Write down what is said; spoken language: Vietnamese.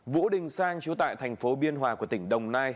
vũ đình sang trú tại thành phố biên hòa của tỉnh đồng nai